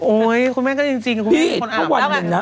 โอ๊ยคุณแม่งก็จริงคุณอาบแล้วแบบนั้นค่ะพี่ถ้าวันนึงนะ